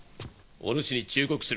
おぬしに忠告する。